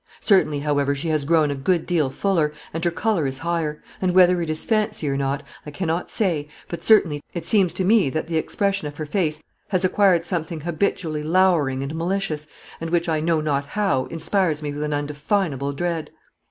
Certainly, however, she has grown a good deal fuller, and her color is higher; and whether it is fancy or not, I cannot say, but certainly to me it seems that the expression of her face has acquired something habitually lowering and malicious, and which, I know not how, inspires me with an undefinable dread.